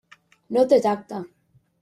No té tacte.